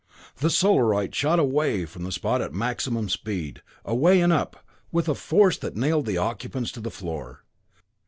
The Solarite shot away from the spot at maximum speed away and up, with a force that nailed the occupants to the floor.